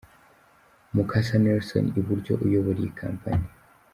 Mukasa Nelson i buryo uyobora iyi Companyi.